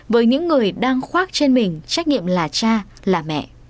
với những người đang khoác trên mình trách nhiệm là cha là mẹ